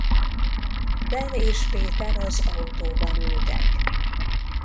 Ben és Peter az autóban ültek.